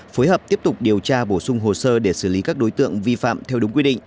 phối hợp tiếp tục điều tra bổ sung hồ sơ để xử lý các đối tượng vi phạm theo đúng quy định